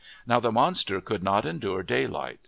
Now the monster could not endure daylight.